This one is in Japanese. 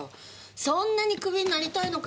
そんなにクビになりたいのかよ！